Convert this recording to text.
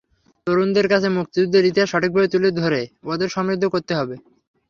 তরুণদের কাছে মুক্তিযুদ্ধের ইতিহাস সঠিকভাবে তুলে ধরে ওদের সমৃদ্ধ করতে হবে।